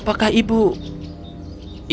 mereka berdua berdua